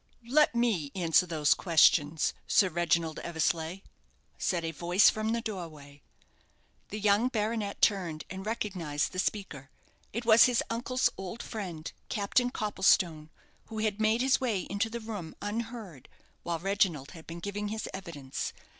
"Let me answer those questions, Sir Reginald Eversleigh," said a voice from the doorway. The young baronet turned and recognized the speaker. It was his uncle's old friend, Captain Copplestone, who had made his way into the room unheard while Reginald had been giving his evidence.